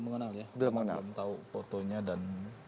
mengenal ya belum tahu fotonya dan